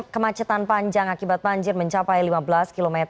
kemacetan panjang akibat banjir mencapai lima belas km